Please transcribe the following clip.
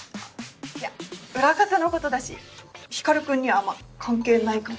いや裏方のことだし光君にはあんま関係ないかも。